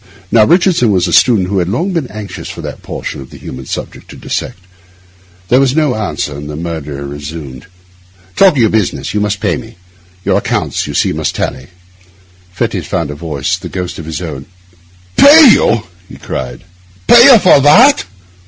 Now Richardson was a student who had long been anxious for that portion of the human subject to dissect. There was no answer, and the murderer resumed: 'Talking of business, you must pay me; your accounts, you see, must tally.' Fettes found a voice, the ghost of his own: 'Pay you!' he cried. 'Pay you for that?